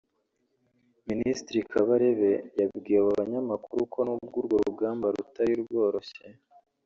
Minisitiri Kabarebe yabwiye abo banyamakuru ko n’ubwo urwo rugamba rutari rworoshye